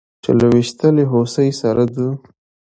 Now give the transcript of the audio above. چې له ويشتلې هوسۍ سره د